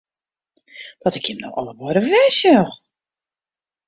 Dat ik jim no allebeide wer sjoch!